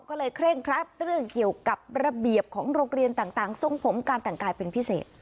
ก็เลยเคร่งครัดเรื่องเกี่ยวกับระเบียบของโรงเรียนต่างทรงผมการแต่งกายเป็นพิเศษ